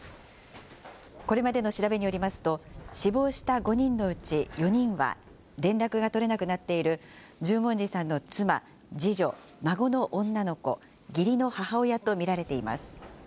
これまでの調べによりますと、死亡した５人のうち４人は、連絡が取れなくなっている十文字さんの妻、次女、孫の女の子、義理の母親と見られています。